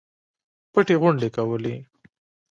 پټې غونډې کولې.